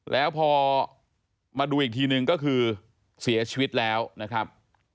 แล้วพอมาดูอีกทีนึงก็คือเสียชีวิตแล้วนะครับ